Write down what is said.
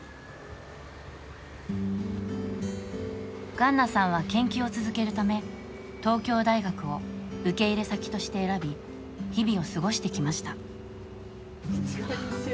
ガンナさんは研究を続けるため、東京大学を受け入れ先として選び、日々を過ごしてきました。